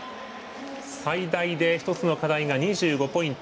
最大で１つの課題が２５ポイント。